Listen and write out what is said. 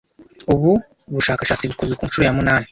Ubu bushakashatsi bukozwe ku nshuro ya munani